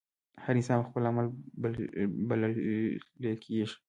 هر انسان پۀ خپل عمل بللے کيږي